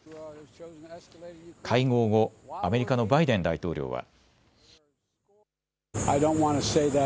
会合後、アメリカのバイデン大統領は。